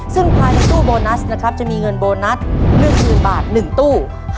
ซึ่งภายในตู้โบนัสนะครับจะมีเงินโบนัส๑๐๐๐บาท๑ตู้